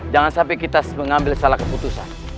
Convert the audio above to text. jangan sampai kita mengambil salah keputusan